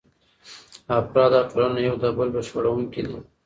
افراد او ټولنه یو د بل بشپړونکي دي.